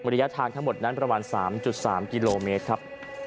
ระยะทางทั้งหมดนั้นประมาณ๓๓กิโลเมตรครับ